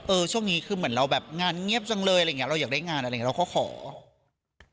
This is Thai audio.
ช่วงนี้คือเหมือนเราแบบงานเงียบจังเลยอะไรอย่างเงี้เราอยากได้งานอะไรอย่างนี้เราก็ขอ